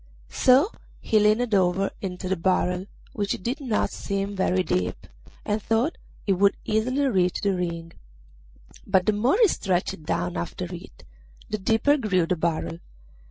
So he leaned over into the barrel, which did not seem very deep, and thought he would easily reach the ring; but the more he stretched down after it the deeper grew the barrel.